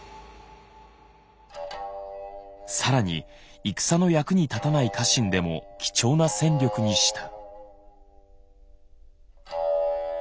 更に戦の役に立たない家臣でも貴重な戦力にした。